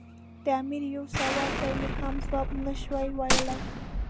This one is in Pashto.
د امیر یوه سوال ته یې هم ځواب نه شو ویلای.